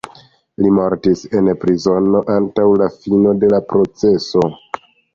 Li mortis en prizono antaŭ la fino de la proceso.